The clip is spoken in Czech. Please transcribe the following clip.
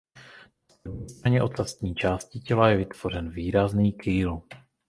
Na spodní straně ocasní části těla je vytvořen výrazný kýl.